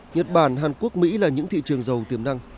nhật bản hàn quốc mỹ là những thị trường giàu tiềm năng